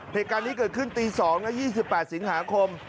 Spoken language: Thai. เหตุการณ์นี้เกิดขึ้นตี๒นะ๒๘สิงหาคม